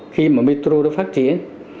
khi mà metro đã phát triển